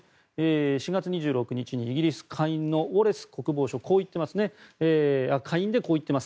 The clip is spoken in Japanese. ４月２６日にイギリス下院のウォレス国防相がこう言っています。